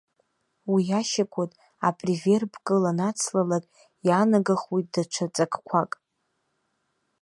Уи ашьагәыҭ апреверб кыл анацлалак, иаанагахуеит даҽа ҵакқәак.